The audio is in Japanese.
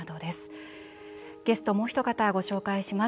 ゲストもうひと方ご紹介します。